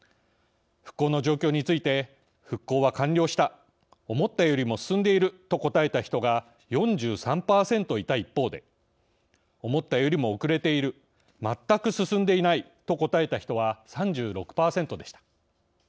復興の状況について復興は完了した思ったよりも進んでいると答えた人が４３％いた一方で思ったよりも遅れている全く進んでいないと答えた人は３６％でした。